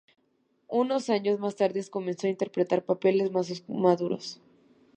Unos años más tarde comenzó a interpretar papeles más maduros.